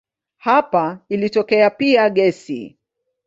Hapa ilitokea pia gesi.